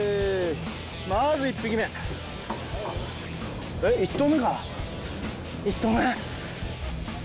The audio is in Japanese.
まず１匹目えっ１投目か１投目！